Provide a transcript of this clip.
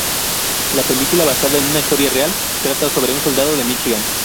La película, basada en una historia real, trata sobre un soldado de Michigan.